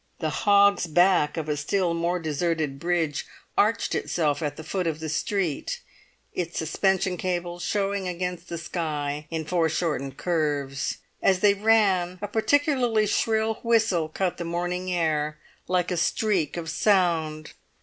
The hog's back of a still more deserted bridge arched itself at the foot of the street, its suspension cables showing against the sky in foreshortened curves. As they ran a peculiarly shrill whistle cut the morning air like a streak of sound.